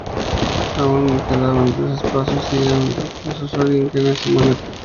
Aún quedaban dos espacios, y en uno pone al profesor Eugene Simonet.